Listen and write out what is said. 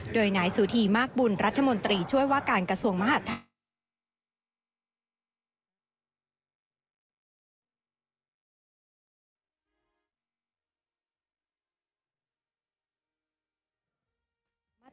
โดยนายสุธีมากบุญรัฐมนตรีช่วยว่าการกระทรวงมหาดไทย